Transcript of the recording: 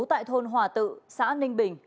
tại thôn hòa tự xã ninh bình